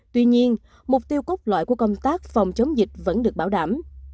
tuy nhiên mục tiêu cốt loại của công tác phòng chống dịch vẫn được bảo đảm